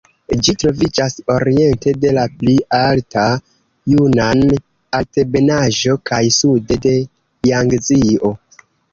Ĝi troviĝas oriente de la pli alta Junan-Altebenaĵo kaj sude de Jangzio.